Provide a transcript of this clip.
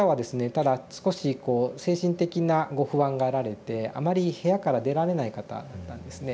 ただ少しこう精神的なご不安があられてあまり部屋から出られない方だったんですね。